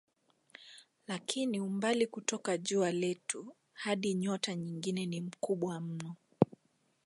Lakini umbali kutoka jua letu hadi nyota nyingine ni mkubwa mno.